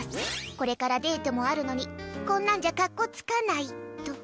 これからデートもあるのにこんなんじゃカッコつかないと。